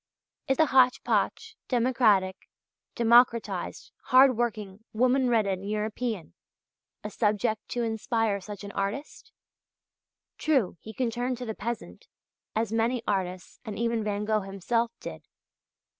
Is the hotch potch, democratic, democratized, hard working, woman ridden European a subject to inspire such an artist? True, he can turn to the peasant, as many artists, and even Van Gogh himself, did.